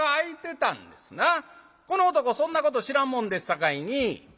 この男そんなこと知らんもんですさかいに。